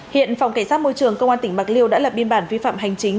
hiện phòng cảnh sát môi trường công an tỉnh bạc liêu đã lập biên bản vi phạm hành chính